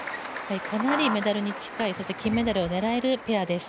かなりメダルに近いそして金メダルを狙えるペアです。